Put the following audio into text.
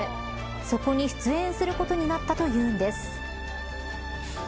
そこに出演することになったというんです。